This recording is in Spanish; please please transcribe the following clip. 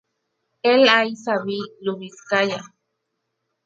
L. I. Savicz-Ljubitskaya.